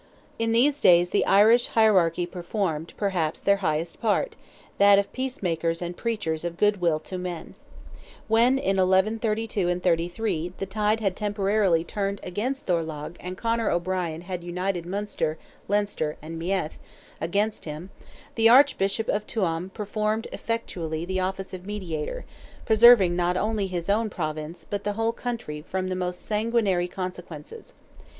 In these days the Irish hierarchy performed, perhaps, their highest part—that of peacemakers and preachers of good will to men. When in 1132 and '33 the tide had temporarily turned against Thorlogh, and Conor O'Brien had united Munster, Leinster, and Meath, against him, the Archbishop of Tuam performed effectually the office of mediator, preserving not only his own Province, but the whole country from the most sanguinary consequences.